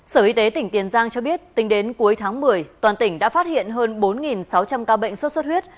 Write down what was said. sở y tế tỉnh tiền giang cho biết tính đến cuối tháng một mươi toàn tỉnh đã phát hiện hơn bốn sáu trăm linh ca bệnh sốt xuất huyết